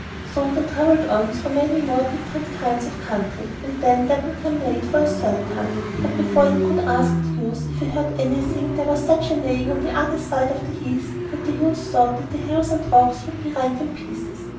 So they travelled on through many more different kinds of country, and then Dapplegrim neighed for the third time; but before he could ask the youth if he heard anything, there was such a neighing on the other side of the heath that the youth thought that hills and rocks would be rent in pieces.